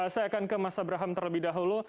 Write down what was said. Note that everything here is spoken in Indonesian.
saya akan ke mas abraham terlebih dahulu